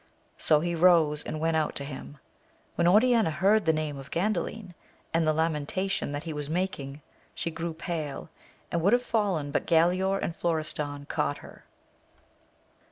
So he rose, and went out to him. When Oriana heard the name of Gandalio, and the lamentation that he was making, she grew pale, and would have fallen, but Galaor and Florestan caught her.